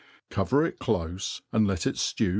Cover it .clofe, and let it ftew.